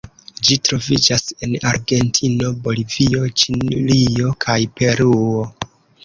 Ĝi troviĝas en Argentino, Bolivio, Ĉilio kaj Peruo.